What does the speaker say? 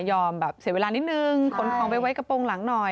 แบบเสียเวลานิดนึงขนของไปไว้กระโปรงหลังหน่อย